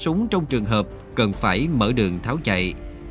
súng trong trường hợp cần phải mở đường tháo chạy